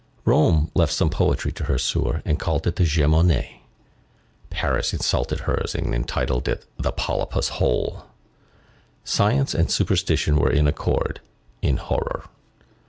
Rome left some poetry to her sewer, and called it the Gemoniæ; Paris insulted hers, and entitled it the Polypus Hole. Science and superstition were in accord, in horror.